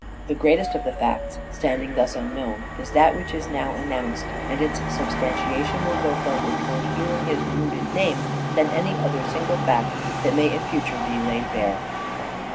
The greatest of the facts " standing thus unknown " is that which is now announced, and its substantiation will go further towards healing his " wounded name " than any other single fact that may in future be laid bare.